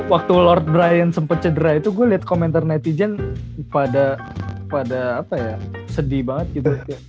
waktu lord brian sempat cedera itu gue liat komentar netizen pada apa ya sedih banget gitu